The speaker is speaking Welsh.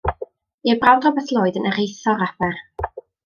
Bu ei brawd Robert Lloyd yn rheithor Aber.